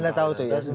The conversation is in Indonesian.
ya saya tahu itu ya